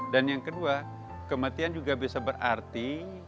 dan yang kedua kematian juga bisa berarti